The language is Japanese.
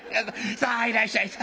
さあいらっしゃい！